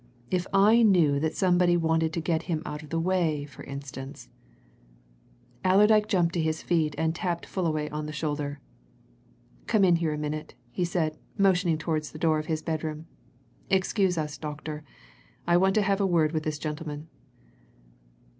"If I knew that somebody wanted to get him out of the way, for instance " Allerdyke jumped to his feet and tapped Fullaway on the shoulder. "Come in here a minute," he said, motioning towards the door of his bedroom. "Excuse us, doctor I want to have a word with this gentleman.